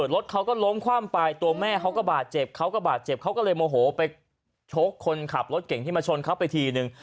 รถเขาก็ล้มคว่ำไปตัวแม่เขาก็บาดเจ็บเขาก็บาดเจ็บเขาก็เลยโมโหไปชกคนขับรถเก่งที่มาชนเขาไปทีนึง